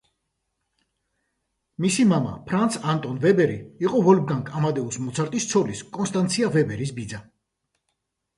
მისი მამა ფრანც ანტონ ვებერი იყო ვოლფგანგ ამადეუს მოცარტის ცოლის კონსტანცია ვებერის ბიძა.